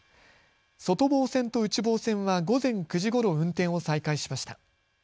外房線と内房線は午前９時ごろ運転を再開しました。